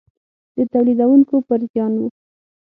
د تولیدوونکو پر زیان و.